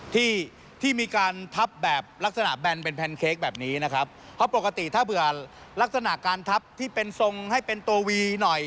ที่ที่มีการทับแบบลักษณะแบนเป็นแพนเค้กแบบนี้นะครับเพราะปกติถ้าเผื่อลักษณะการทับที่เป็นทรงให้เป็นตัววีหน่อย